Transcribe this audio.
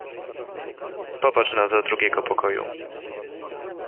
Popatrz no do drugiego pokoju.